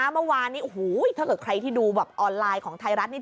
เมื่อวานนี้โอ้โหถ้าเกิดใครที่ดูแบบออนไลน์ของไทยรัฐนี่